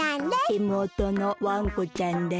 いもうとのわんこちゃんです。